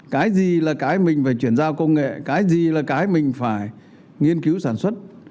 cái gì là cái mình phải chuyển giao công nghệ cái gì là cái mình phải nghiên cứu sản xuất